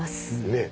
ねえ。